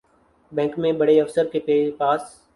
bank میں بڑے افسر کے پاس